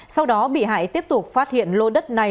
sau đó bị hại tiếp tục phát hiện lô đất trên cho một người khác